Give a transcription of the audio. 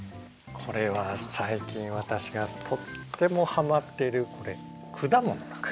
これは最近私がとってもハマってるこれ果物なんです。